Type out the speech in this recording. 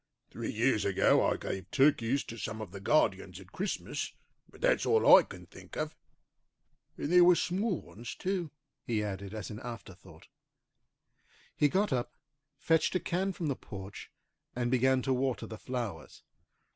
Three years ago I gave turkeys to some of the guardians at Christmas, but that's all I can think of. And they were small ones, too," he added as an afterthought. He got up, fetched a can from the porch, and began to water the flowers.